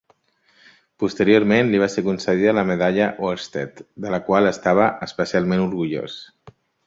Posteriorment li va ser concedida la medalla Oersted, de la qual estava especialment orgullós.